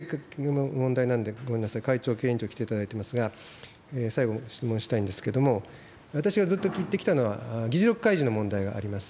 ちょっとごめんなさい、最後、ＮＨＫの問題なんで、ごめんなさい、会長、経営委員長、来ていただいておりますが、最後、質問したいんですけども、私がずっと聞いてきたのは、議事録開示の問題があります。